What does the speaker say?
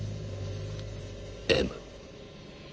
「Ｍ」。